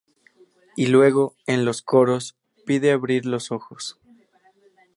Y luego, en los coros, pide abrir los ojos.